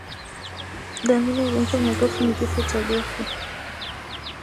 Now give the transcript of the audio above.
Dalili ya ugonjwa wa mapafu ni kifo cha ghafla